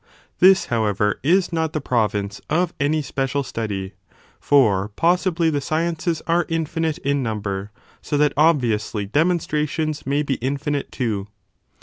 This, however, is not the province of any special study : for possibly the sciences are infinite in number, so that obviously demonstrations may be infinite too.